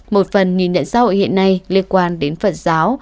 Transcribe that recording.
một phần nhìn nhận xã hội hiện nay liên quan đến phật giáo